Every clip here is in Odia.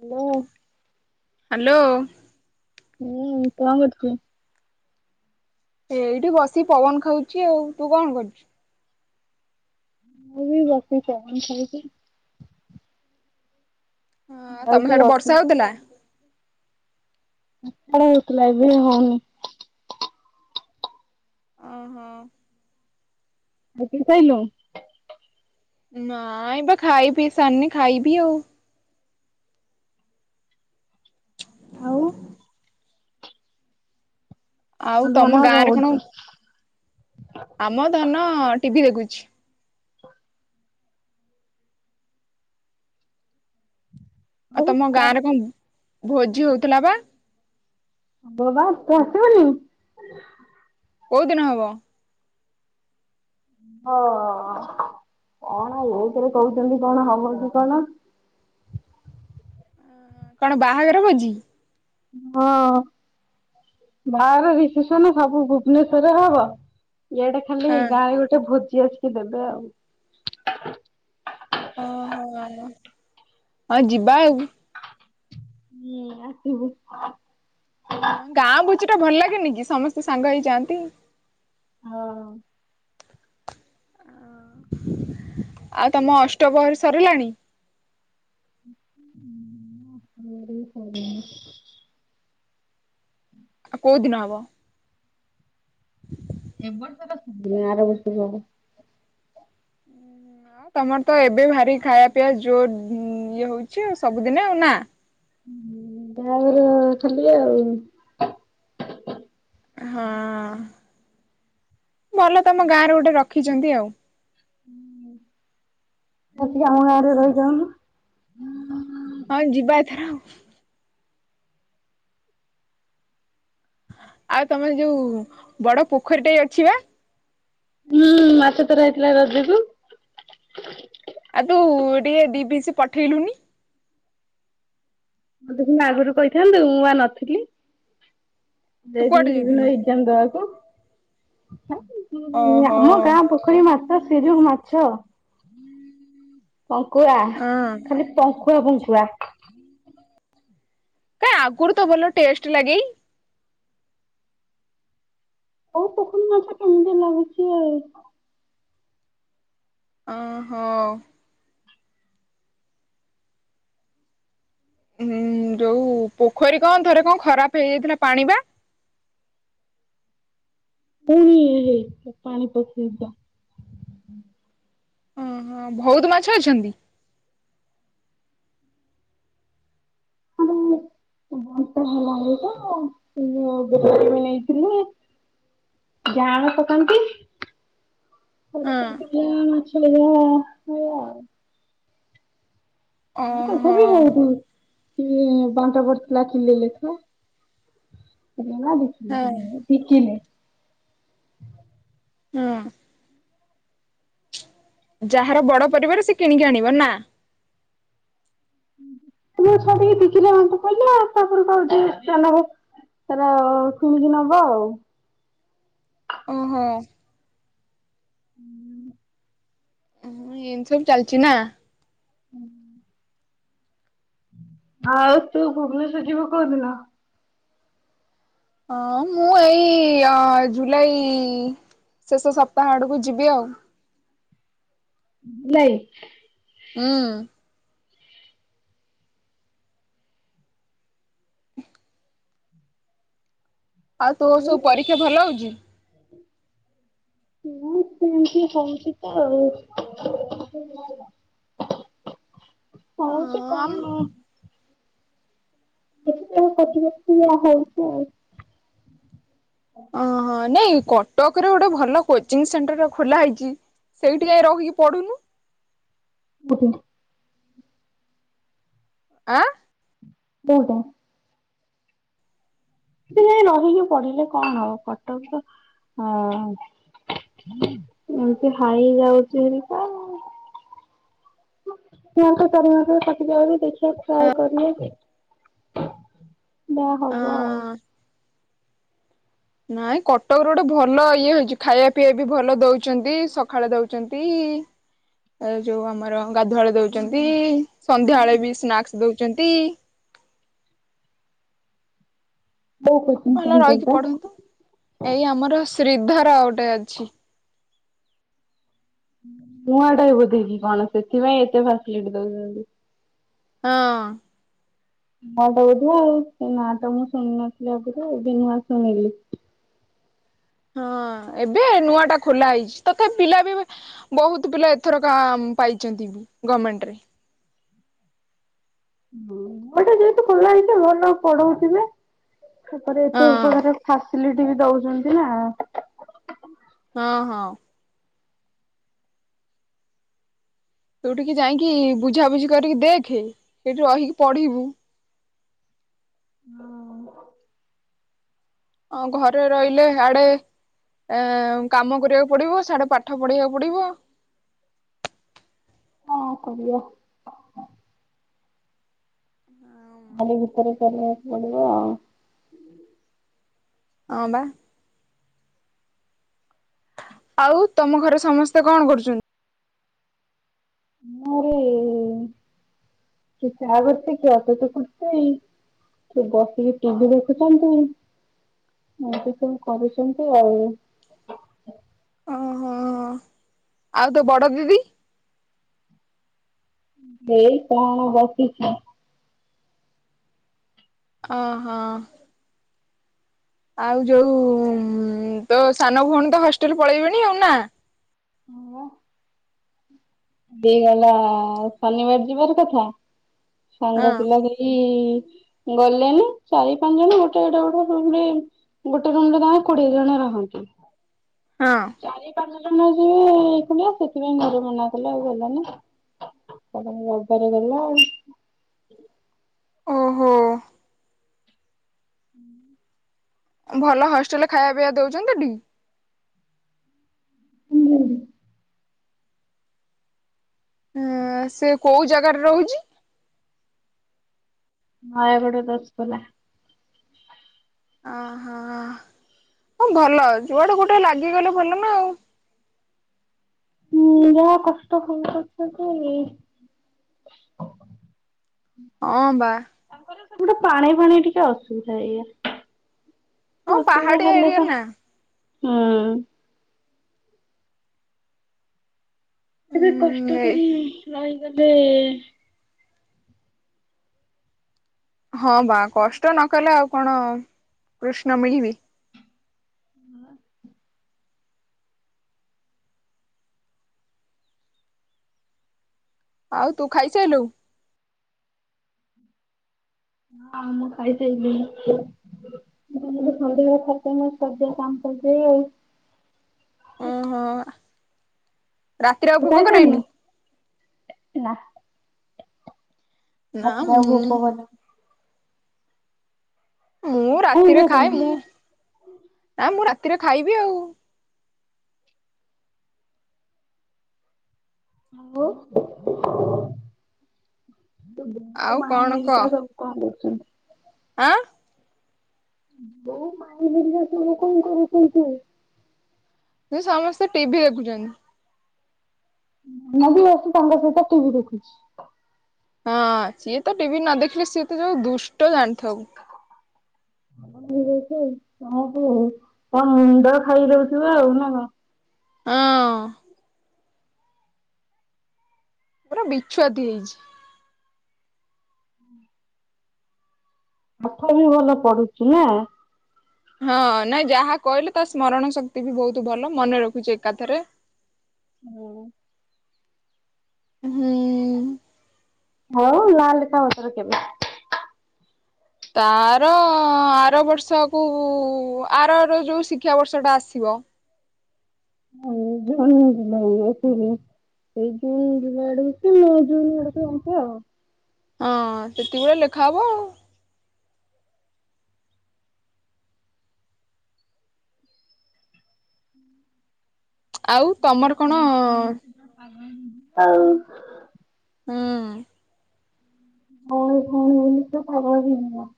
ହାଲୋ। ହାଲୋ। ହୁଁ କଁ କରଚୁ? ଏଇଟି ବସିି ପବନ ଖାଉଚି ଆଉ, ତୁ କଣ କରୁଚୁ? ମୁଁ ବି ବସି ପବନ ଖାଉଚି। ହଁ ତମେ ଯାଉଛି ସାଡ଼େ ଅଫିସ ବର୍ଷା ହଉଥୁଲା? ସଖାଳେ ହଉଥୁଲା ଏବେ ଆଉ ହଉନି। ଅହ। ଖାଇ ପିଇ ସାଇଲୁଁ? ନାଇଁ ବା ଖାଇ ପିଇ ସାରିନି ଖାଇବି ଆଉ। ଆଉ ଆଉ ଧନ କଣ ତମ ଗାଁରେ କଣ କରୁଛି? ଆମ ଧନ ଟି ଭି ଦେଖୁଛି। ଆଉ ତମ କଣ ଗାଁରେ କଁ କହୁଛୁ? ଭୋଜି ହଉଥୁଲା ବା? ଭୋ ହଁ ତୁ ଆସିବୁନି? କୋଉ ଦିନ ହବ? ହଁ କଣ ଏଇଥିରେ କୋହୁଚନ୍ତି କଣ ହବ କି କଣ। କଣ ବାହାଘର ଭୋଜି? ହଁ। ବାହାଘର ରିସେପସନ୍ ସବୁ ଭୁବନେଶ୍ୱରରେ ହବ ଇଆଡ଼େ ଖାଲି ହଁ ଏଇ ଗାଁରେ ଗୋଟେ ଭୋଜି ଆସିକି ଦେବେ ଆଉ। ଓହୋ ଆ ଆଉ ଯିବା ଆଉ। ହୁଁ ଆସିବୁ। ଗାଁ ଭୋଜିଟା ଭଲ ଲାଗେନି କି ସମସ୍ତେ ସାଙ୍ଗ ହେଇଯାଆନ୍ତି। ହଁ। ଆଉ ତମ ଅଷ୍ଟପହରୀ ସରିଲାଣି? ଉଁ ହୁଁ ମ ଅଷ୍ଟ ପହରୀ ସରିଲାଣି। ଆ କୋଉ ଦିନ ହବ? ଏ ବର୍ଷ ତ ଠିକ୍ ନାହିଁ ଆର ବର୍ଷକୁ ହବ। ହଁ ତମର ତ ଏବେ ଭାରି ଖାଇବା ପିଇବା ଯୋ ଇଏ ହଉଚି ଆଉ ସବୁଦିନେ ଆଉ, ନାଁ? ବାହାଘର ଖାଲି ଆଉ। ହଁ ଭଲ ତମ ଗାଁରେ ଗୋଟେ ରଖିଚନ୍ତି ଆଉ। ଆସିକି ଆମ ଗାଁରେ ରହିଯାଉନୁ। ହଁ ଯିବା ଏଥର ଆଉ। ଆଉ ତମର ଯୋଉ ବଡ଼ ପୋଖରୀ ଟାଏ ଅଛି ବା? ହୁଁ ମାଛ ତ ରହିଥିଲା ରଜକୁୁ। ଆଉ ତୁ ଟିକେ ଦି ପିସି ପଠେଇଲୁନି। ଆଗରୁ କହିଥାନ୍ତେ ମୁଁ ଆ ନଥିଲି ତୁ କୁଆଡେ ଯାଇଥିଲି ସେଦିନ ଯାଇଥିଲୁ ହେଇ କେନ୍ତା ଓହୋ ଆଁକୁକଆମ ଗାଁ ପୁ ପୋଖରୀ ମାଛ ସେଯୋଉ ମାଛ ପଙ୍କୁ ଆ ହଁ ଖାଲି ପଙ୍କୁଆ ପଙ୍କୁଆ। କାଇଁ ଆଗରୁ ତ ଭଲ ଟେଷ୍ଟ ଲାଗେ ହଉ ପୋଖରୀ ମାଛ କେମିତି ଲାଗୁଛି ଆଇ। ଓହୋ। ହୁଁ ଯୋଉ ପୋଖରୀ କଣ ଥରେ କଣ ଖରାପ ହେଇଯାଇଥିଲା ପାଣି ବା? ପୁଣି ଇଏ ହେଇ ପାଣି ପଶିଯାଇଥିଲାା। ଓହୋ ବହୁତ ମାଛ ଅଛନ୍ତି? ଆଉ [unintelligible] ବତ ହେଲାଣି ତ ମୁ ବାର ବି ନେଇଥିଲି [unintelligible] ଜାଆଁଳ ପକାନ୍ତି? ଘରେ ହଁ ସେ ମାଛ ଆଉ [unintelligible] ହଁ ଓହୋ ତଥାପି ବହୁତ। କି ବଣ୍ଟ ପଡିଥିଲା କିଲେଇଲେ କା। ହଁ ଟିକେ ନେ। ହୁଁ। ଯାହାର ବଡ ପରିବାର ସେ କିଣିକି ଆଣିବ ନା? ତ ଛିକି ବିକି ଆୁ କହିଲେ ତା କ ଚାଉ [unintelligible] ତାର ଶୁଣିକି ନବ ଆଉ। ଓହୋ। ହୁଁ। ଓଁ ଏମିତି ସବୁ ଚାଲିଛି ନା। ହୁଁ। ଆଉ ତୁ ଭୁବନେଶ୍ଵର ଯିବୁ କୋଉଦିନ। ହଁ ମୁଁ ଏଇ ଅ ଜୁଲାଇ ଶେଷ ସପ୍ତାହ ଆଡ଼କୁ ଯିବି ଆଉ। ଜୁଲାଇ। ହୁଁ। [unintelligible] ଆଉ ତୋର ସବୁ ପରୀକ୍ଷା ଭଲ ହଉଛି? ସେ ହଁ ସେମିତି ହଉଛି ତ ଆଉ। ହଉଛି ହଁ କଣ। ଏଠି କାଇଁ ବସିବି ଠିଆ ହେଇଛି ଆଉ। ଓହୋ ନାଇଁ କଟକରେ ଗୋଟେ ଭଲ କୋଚିଂ ସେଣ୍ଟର ଖୋଲା ହେଇଚି। ସେଇଠି ଯାହିଁ ରହିିକି ପଢୁନୁ। ହ [unintelligible] ଆଁ। ପୋଉଟା। ସେ ଯାଇ ରହିକି ପଢିଲେ କଣ ହବ କଟକ ତ ହଁ ଏମତି ହାଇ ଯାଉଛି ହାରି ତ। ଛୁଆଙ୍କ ଚାରିମାସର କଟି ଯାଉଚି ଦେଖିଆ ଟ୍ରାଏ କରି ଏ। ଯାହା ହବ ଆଉ। ନାଇଁ କଟକ ର ଗୋଟେ ଭଲ ଇଏ ହେଇଛି ଖାଇବା ପିଇବା ବି ଭଲ ଦଉଛନ୍ତି ସକାଳେ ଦଉଛନ୍ତି। ଏ ଯୋଉ ଆମର ଗାଧୁଆ ବେଳେ ଦଉଛନ୍ତି ସନ୍ଧ୍ୟାବେଳେ ବି ସ୍ନାକ୍ସ ଦଉଛନ୍ତି। ବୋଉ କୁ। ଭଲ ରହିକି ପଢନ୍ତୁ ଏଇ ଆମର ଶ୍ରୀଧର ଗୋଟେ ଅଛି। ନୂଆ ଟାଏ ବୋଧେକି କଣ ସେଥିପାଇଁ ଏତେ ଫାସିଲିଟି ଦଉଛନ୍ତି। ହଁ। ନୂଆଁ ଟା ବୋଧେ ଆଉ ସେ ନା ଟା ମୁଁ ଶୁଣି ନଥିଲି ଆଗରୁ ଏବେ ନୂଆଁ ଶୁଣିଲି। ହଁ ଏବେ ନୂଆଁ ଟା ଖୋଲା ହେଇଛି ତଥାବି ପିଲା ବି। ବହୁତ ପିଲା ଏଥରକ ଆ ମ ପାଇଛନ୍ତି ବି ଗମେଣ୍ଟ ରେ। [unintelligible] ଯେହେତୁ ଖୋଲା ହେଇଛି ଭଲ ପଢଉଥିବେ ତାପରେ ହଁ ଏତେ ପଢାରେ ଫାସିଲିଟି ବି ଦଉଛନ୍ତି ନା। ହଁ ହଁ। କଉଠିକି ଯାଇକି ବୁଝାବୁଝି କରିକି ଦେଖେ ସେଇଠି ରହିକି ପଢିବୁ। ଅଁ ଘରେ ରହିଲେ ଆଡେ ଏ କାମ କରିବାକୁ ପଡିବ ସାଆଡେ ପାଠ ପଢେଇବାକୁ ପଡିବ। କଣ କରିବା। ତାରି ଭିତରେ କରିବାକୁ ପଡିବ ଆଉ। ହଁ ବା। ଆଉ ତମ ଘରେ ସମସ୍ତେ କଣ କରୁଛନ୍ତି? ଆମରି କିଏ ଚାହା କରୁଛି କିଏ ଅଟା ଚକଡୁଛି। କିଏ ବସିକି ଟିଭି ଦେଖୁଛନ୍ତି। ଏମିତି ସବୁ କରୁଛନ୍ତି ଆଉ। ଓହୋ ଆଉ ତୋ ବଡ ଦିଦି? ଦେଇ କଣ ବସିଛି। ଅଁ ହଁ। ଆଉ ଯୋଉ ତୋ ସାନ ଭଉଣୀ ତ ହଷ୍ଟେଲ ପଳେଇବେଣୀ ଆଉ ନା? ହଁ ପା। ଦେଇ ଗଲା ଶନିବାର ଯିବାର କଥା ହଁ ସାଙ୍ଗ ପିଲା ଦେଇ ଏଇ ଗଲେନି ଚାରି ପାଞ୍ଚ ଜଣ ଗୋଟେ ଗୋଟେ ଗୋଟେ ରୁମ ରେ ଗୋଟେ ରୁମରେ ତାଙ୍କେ କୋଡିଏ ଜଣ ରହନ୍ତି। ହଁ। ଚାରି ପାଞ୍ଚ ଜଣ ଯିବେ [unintelligible] ସେଥିପାଇଁ ଘର ମନା କଲା ଆଉ ଗଲାନି ସେ ଫୁଣି ରବାରେ ଗଲା ଆଉ। ଓହୋ। ହୁଁ। ଭଲ ହଷ୍ଟେଲ ଖାଇବା ପିଇବା ଦଉଛନ୍ତି ଟି? ହୁଁ। ଉଁ ସେ କୋଉ ଜାଗାରେ ରହୁଛି? ନୟାଗଡ଼ ଦଶପଲ୍ଲା। ଅ ହଁ ଭଲ ଯୁଆଡେ ଗୋଟେ ଲାଗିଗଲେ ଭଲ ନା ଆଉ। ହୁଁ ଯାହା କଷ୍ଟ [unintelligible] ହୁଁ। ହଁ ବା। ତାଙ୍କର ସେପଟେ ପାଣି ଫାଣି ଟିକେ ଅସୁବିଧା ଏଇାୟା। ହଁ ଅସୁବିଧା ପାହାଡିଆ ହେଲେ ଏରିଆ ତ ନା ହୁଁ। କେବେ କଷ୍ଟ ଏଇ କରି ରହିଗଲେ? ହଁ ବା କଷ୍ଟ ନ କଲେ ଆଉ କଣ କୃଷ୍ଣ ମିଳିବି? ହଁ ଆଉ ତୁ ଖାଇସାରିଲୁ? ହଁ ମୁଁ ଖାଇସାରିଲିଣି। [inaudible] କାମ କରଛି ଆଉ ଓହ। ଖାଇସାରିନ କରେଇନି ନାଁ। ନା ମୁଁ [inaudible] ମୁଁ କାଇଁ ରାତିରେ ଖାଏ କରିନୁ? ମୁଁ ନା ମୁଁ ରାତିରେ ଖାଇବି ଆଉ [inaudible] ଆଉ କଣ କହ [inaudible] ଆଁ [inaudible] କଣ କରୁଛନ୍ତି। ଏ ସମସ୍ତେ ଟିଭି ଦେଖୁଛନ୍ତି। ମୁଁ ବି ବସି ତାଙ୍କ ସହିତ ଟିଭି ଦେଖୁଛି। ହଁ ସିଏ ତ ଟିଭି ନ ଦେଖିଲେ ସିଏ ତ ଯୋଉ ଦୁଷ୍ଟ ଜାଣିଥବୁ? କ ହଉ ତନ୍ଦର ଖାଇଦଉଥିବ ଆଉ ନା କଣ? ହଁ। ପୁରା ବିଛୁଆତି ହେଇଛି। ପାଠ ବି ଭଲ ପଢୁଚି ନା? ହଁ ନାଇଁ ଯାହା କହିଲେ ତା ସ୍ମରଣ ଶକ୍ତି ବି ବହୁତ ଭଲ ମନେ ରଖୁଛି ଏକାଥରେ। ହୁଁ। ହୁଁ। ହଉ ଲା ଲେଖା ଆଉଥରେ କରିବା? ତାର ଆର ବର୍ଷକୁ ଆରର ଯେଉଁ ଶିକ୍ଷାବର୍ଷଟା ଆସିବ। [inaudible] ସେଇ ଜୁନ୍ ଯିବା ଆଡେଛି ନଅ ଜୁନ୍ ଆଡେକୁ ଅନ୍ତ ଆଉ ହଁ ସେତିକି ବଳେ ଲେଖା ହବ ଆଉ। ଆଉ ତମର କଣ? ହଁ। ହୁଁ। ହଁ କଣ ବୋଲିତ ପାଗଳ ପିନ୍ଧିବ,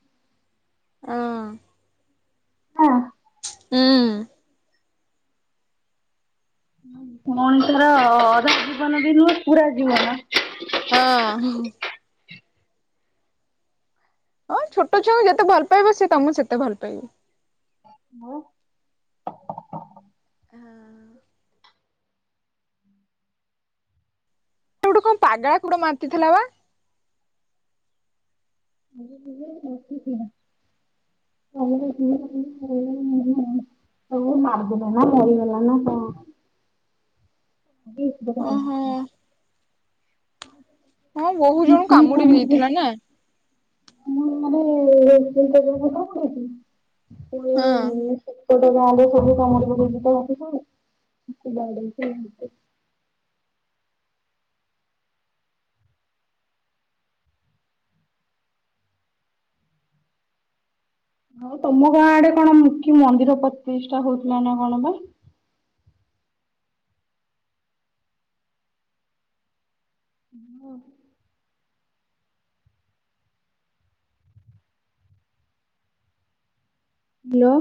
ହଁ। ହଁ। ହଁ। ମଣିଷର ଅଧା ଜୀବନ ବି ନୁହେଁ ପୁରା ଜୀବନ। ହଁ। ହଁ ଛୋଟ ଛୁଆଙ୍କୁ ଯେତେ ଭଲ ପାଇବ ସିଏ ତମକୁ ସେତେ ଭଲ ପାଇବ। ହଉ। ହଁ। ତୋତେ ଗୋଟେ କଣ ପାଗଳା କୁକୁର ମାରିଦେଇଥିଲା ବା। ଠି [inaudible] ସବୁ ମାରିଦେଲେ ନା ମରିଗଲା ନା କଣ? ଓହୋ। [inaudible] ହଁ ବହୁ ଜଣ ମେସିନ୍ କାମୁଡି ବି ଦେଇଥିଲା ନା। ମୁଁ ମାନେ [unintelligible] ଗୋଟେ ଗାଁ ହଁ। ଲେ ସବୁ କାମୁଡି ପକଉଚି ତ [unintelligible] ଆଉ ତମ ଗାଁ ଆଡେ କଣ କି ମନ୍ଦିର ପ୍ରତିଷ୍ଠା ହଉଥିଲା ନା କଣ ବା। ହଁ। ହାଲୋ।